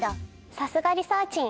さすがリサーちん